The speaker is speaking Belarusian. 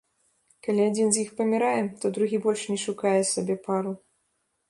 Калі адзін з іх памірае, то другі больш не шукае сабе пару.